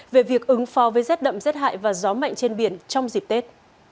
về việc ứng phó với rét đậm rét hại và gió mạnh trên biển trong dịp tết